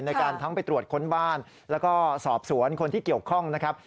ในการทั้งไปตรวจค้นบ้านแล้วก็สอบสวนคนที่เกี่ยวข้องนะครับ